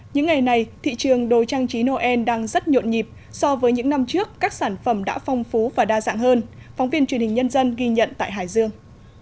những ngày này thị trường đồ trang trí noel đang rất nhộn nhịp so với những năm trước các sản phẩm đã phong phú và đa dạng hơn phóng viên truyền hình nhân dân ghi nhận tại hải dương